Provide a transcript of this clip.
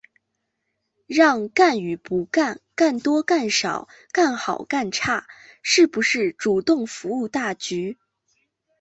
让干与不干、干多干少、干好干差、是不是主动服务大局、